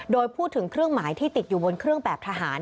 โดยพูดถึงเครื่องหมายที่ติดอยู่บนเครื่องแบบทหาร